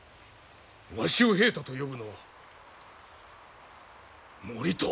わしを平太と呼ぶのは盛遠！